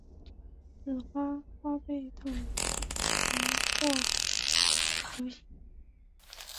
雌花花被筒形或球形。